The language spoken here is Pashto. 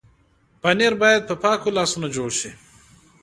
پنېر باید په پاکو لاسونو جوړ شي.